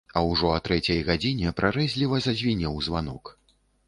Ужо а трэцяй гадзіне прарэзліва зазвінеў званок.